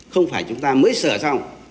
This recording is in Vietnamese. không phải chúng ta mới sửa xong